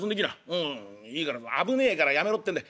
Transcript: うんいいから危ねえからやめろってんだ。